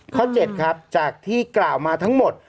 ข้อ๗ครับจากที่กล่าวมาทั้งหมด